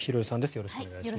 よろしくお願いします。